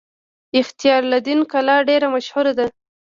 اختیار الدین کلا ډیره مشهوره ده